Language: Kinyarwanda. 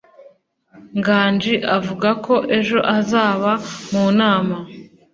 Nganji avuga ko ejo azaba mu nama.